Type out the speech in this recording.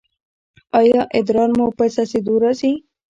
ایا ادرار مو په څڅیدو راځي؟